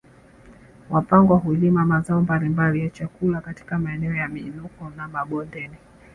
Wapangwa hulima mazao mbalimbali ya chakula katika maeneo ya miinuko na mabondeni